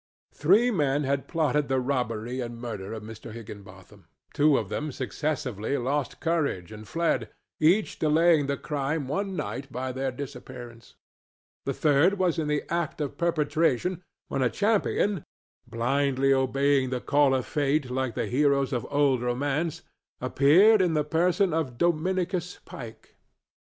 Three men had plotted the robbery and murder of Mr. Higginbotham; two of them successively lost courage and fled, each delaying the crime one night by their disappearance; the third was in the act of perpetration, when a champion, blindly obeying the call of fate, like the heroes of old romance, appeared in the person of Dominicus Pike.